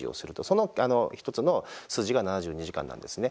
その１つの数字が７２時間なんですね。